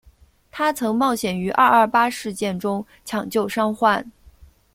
她曾冒险于二二八事件中抢救伤患。